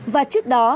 và trước đó